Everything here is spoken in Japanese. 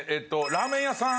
ラーメン屋さん。